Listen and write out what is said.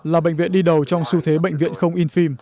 là bệnh viện đi đầu trong xu thế bệnh viện không in phim